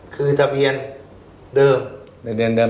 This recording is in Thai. คือทะเบียนเดิม